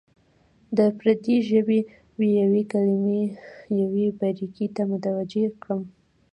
د پردۍ ژبې یوې کلمې یوې باریکۍ ته متوجه کړم.